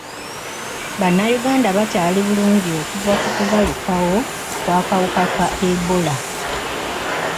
Bannayuganda bakyali bulungi okuva ku kubalukawo kw'akawuka ka ebola.